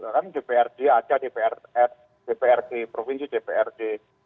kan dprd aceh dprd provinsi dprd